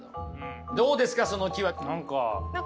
どうですかその木は。